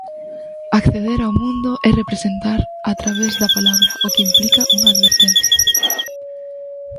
Acceder ao mundo é representar a través da palabra, o que implica unha advertencia.